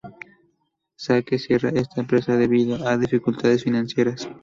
Sake cierra esta empresa debido a dificultades financieras.